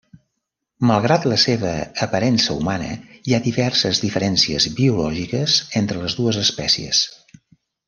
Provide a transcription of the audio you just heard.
Malgrat la seva aparença humana, hi ha diverses diferències biològiques entre les dues espècies.